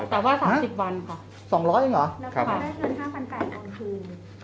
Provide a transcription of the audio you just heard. แต่ว่าสามสิบวันค่ะสองร้อยหรอครับแล้วขอได้เท่านั้นห้าพันแปดโอมคืน